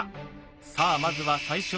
さあまずは最初の障害。